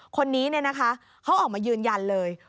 คนนี้เนี่ยนะคะเขาออกมายืนยันเลย